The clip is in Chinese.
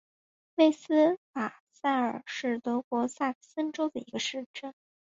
魏斯瓦塞尔是德国萨克森州的一个市镇。